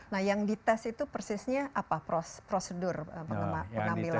nah yang dites itu persisnya apa prosedur pengambilan